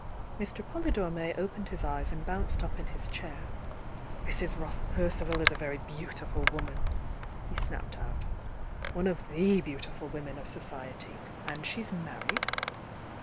, „„^„j Mr. Polydore May opened his eyes and bounced UP in his chair. ,^.,,„,„ "Mrs. Ross Percival is a very beautiful woman! he snapped out. "One of tM beautiful women of societv. And she's married."